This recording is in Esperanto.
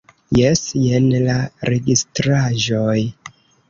Jes, jen la registraĵoj.